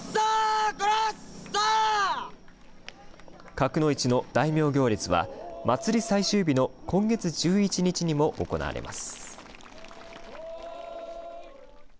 賀来の市の大名行列は祭り最終日の今月１１日にも行われます。